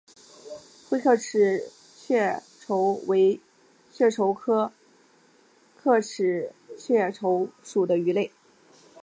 灰刻齿雀鲷为雀鲷科刻齿雀鲷属的鱼类。